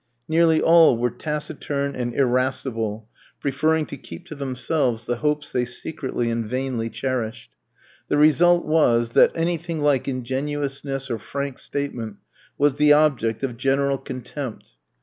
Nearly all were taciturn and irascible, preferring to keep to themselves the hopes they secretly and vainly cherished. The result was, that anything like ingenuousness or frank statement was the object of general contempt.